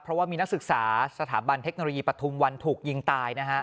เพราะว่ามีนักศึกษาสถาบันเทคโนโลยีปฐุมวันถูกยิงตายนะฮะ